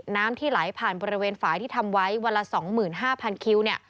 น้ำที่ไหลผ่านบริเวณฝ่ายที่ทำไว้วันละ๒๕๐๐คิวเนี่ย